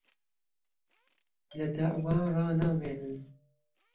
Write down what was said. له دهعوا ڕانامێنن